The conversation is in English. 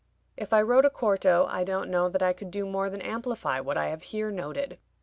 If I wrote a quarto I don't know that I could do more than amplify what I have here noted.